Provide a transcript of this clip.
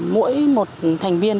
mỗi một thành viên